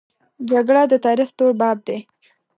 جګړه د تاریخ تور باب دی